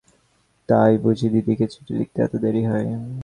তাই বুঝি দিদিকে চিঠি লিখতে এত দেরি হয়?